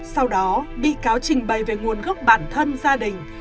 sau đó bị cáo trình bày về nguồn gốc bản thân gia đình